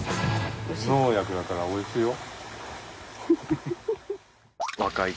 無農薬だからおいしいよ。